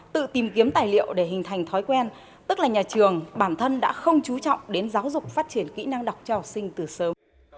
tự tìm kiếm tài liệu để hình thành thói quen tức là nhà trường bản thân đã không chú trọng đến giáo dục phát triển kỹ năng đọc cho học sinh từ sớm